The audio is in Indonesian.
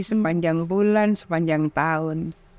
sepanjang bulan sepanjang tahun